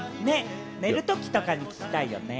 寝るときとかに聞きたいよね。